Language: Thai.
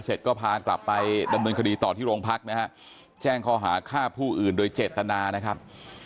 เสร็จก็พากลับไปดำเนินคดีต่อที่โรงพักนะฮะแจ้งข้อหาฆ่าผู้อื่นโดยเจตนานะครับ